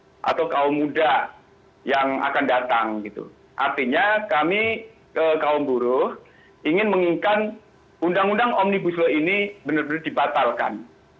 jadi kemudian para calon tenaga kerja atau kaum muda yang akan datang artinya kami kaum buruh ingin menginginkan undang undang omnibus lho ini benar benar dibatalkan